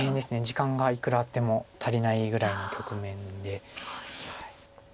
時間がいくらあっても足りないぐらいの局面で。